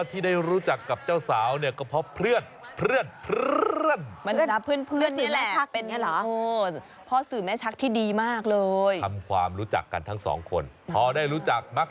อาจจะเรียกว่าเป็นกิ่งทองประโยค